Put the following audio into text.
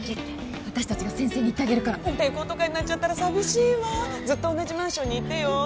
私達が先生に言ってあげるから転校とかになっちゃったら寂しいわずっと同じマンションにいてよ